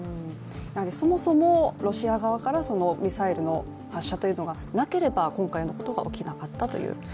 そもそも、ロシア側からミサイルの発射というのがなければ今回のことが起きなかったという？